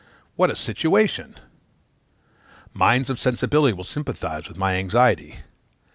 What a situation! Minds of sensibility will sympathize with my anxiety.